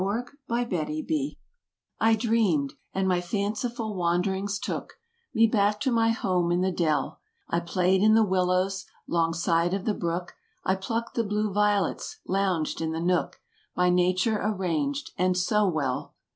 THE OLD MULBERRY TREE I dreamed, and my fanciful wanderings took Me back to my home in the dell; I played in the willows 'longside of the brook; I plucked the blue violets; lounged in the nook By nature arranged, and so well.